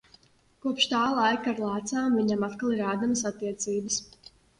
Kopš tā laika ar lēcām viņam atkal ir ēdamas attiecības.